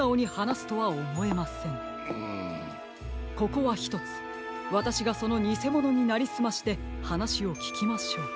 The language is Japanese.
ここはひとつわたしがそのにせものになりすましてはなしをききましょう。